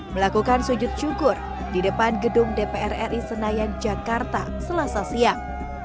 melakukan sujud syukur di depan gedung dpr ri senayan jakarta selasa siang